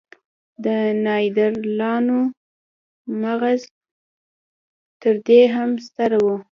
د نایندرتالانو مغز تر دې هم ستر و.